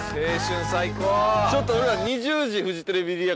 ちょっと俺ら。